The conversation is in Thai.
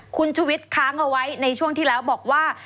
คุณชุวิตค้างเอาไว้ในช่วงที่แล้วบอกว่า